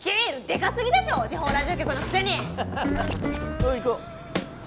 おう行こう。